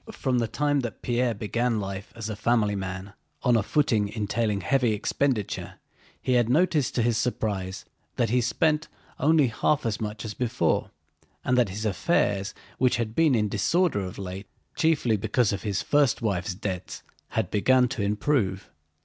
From the time that Pierre began life as a family man on a footing entailing heavy expenditure, he had noticed to his surprise that he spent only half as much as before, and that his affairs—which had been in disorder of late, chiefly because of his first wife's debts—had begun to improve.